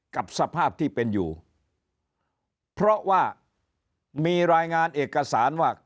กับสภาพที่เป็นอยู่เพราะว่ามีรายงานเอกสารว่า